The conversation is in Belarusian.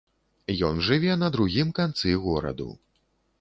Ён жыве на другім канцы гораду.